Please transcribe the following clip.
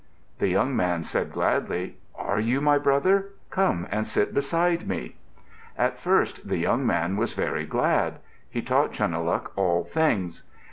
The young man said gladly, "Are you my brother? Come and sit beside me." At first the young man was very glad. He taught Chunuhluk all things.